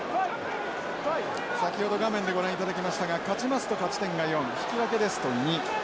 先ほど画面でご覧いただきましたが勝ちますと勝ち点が４引き分けですと２。